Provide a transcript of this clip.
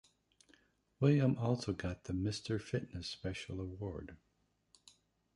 William also got the Mister Fitness special award.